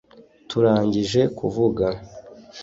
turangije kuvuga